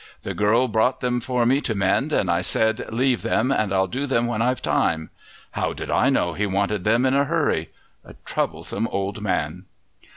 "The girl brought them for me to mend, and I said, 'Leave them and I'll do them when I've time' how did I know he wanted them in a hurry? A troublesome old man!"